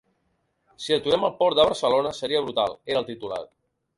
Si aturem el port de Barcelona, seria brutal, era el titular.